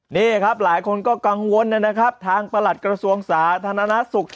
นี่ครับหลายคนก็กังวลนะครับทางประหลัดกระทรวงสาธารณสุข